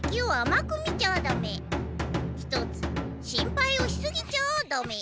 一つ心配をしすぎちゃあダメ。